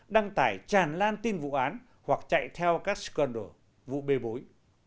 đăng tải tràn lan tin vụ án hoặc chạy theo các scandal vụ bê bối